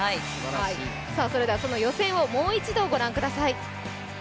それではその予選をもう一度ご覧ください。